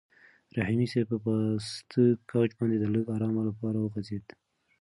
رحیمي صیب په پاسته کوچ باندې د لږ ارام لپاره وغځېد.